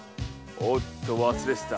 おっと忘れてた。